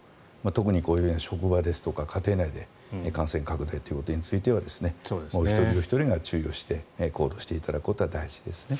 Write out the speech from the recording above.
特に職場ですとか家庭内で感染拡大ということについてはお一人お一人が注意をして行動していただくことが大事です。